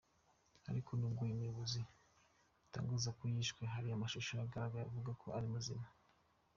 Ariko nubwo uyu muyobozi bitangazwa ko yishwe hari amashusho yagaragaye avuga ko ari muzima.